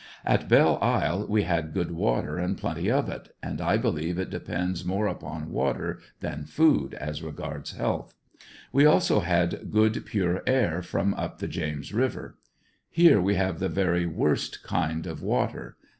At Belle Isle we had good water and plenty of it, and I be lieve it depends more upon water than food as regards health. We also had good pure air from up the James River. Here we have the very worst kind of water.